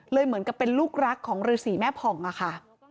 เหมือนกับเป็นลูกรักของฤษีแม่ผ่องอะค่ะ